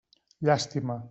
Llàstima.